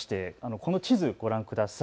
この地図をご覧ください。